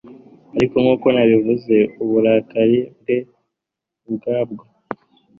ariko nkuko nabivuze uburakari bwe ubwabwo